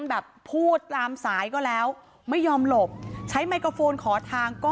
แบบพูดตามสายก็แล้วไม่ยอมหลบใช้ไมโครโฟนขอทางก็